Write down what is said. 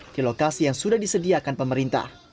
di lokasi yang sudah disediakan pemerintah